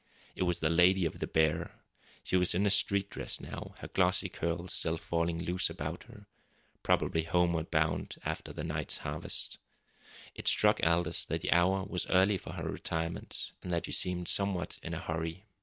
It was the Lady of the Bear. She was in a street dress now, her glossy curls still falling loose about her probably homeward bound after her night's harvest. It struck Aldous that the hour was early for her retirement, and that she seemed somewhat in a hurry.